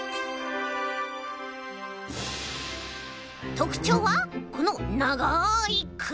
とくちょうはこのながいくび！